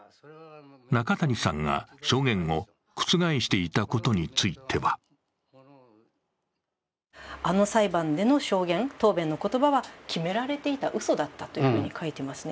中谷さんが証言を覆していたことについてはあの裁判での証言、答弁の言葉は決められていた、うそだったというふうに書いていますね。